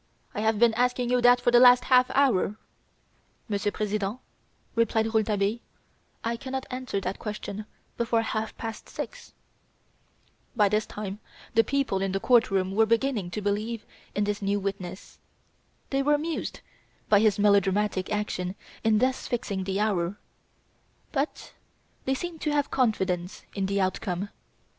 I have been asking you that for the last half hour." "Monsieur President," replied Rouletabille, "I cannot answer that question before half past six!" By this time the people in the court room were beginning to believe in this new witness. They were amused by his melodramatic action in thus fixing the hour; but they seemed to have confidence in the outcome.